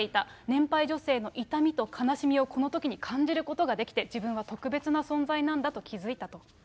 年配女性の痛みと悲しみをこのときに感じることができて、自分は特別な存在なんだと気付いたと。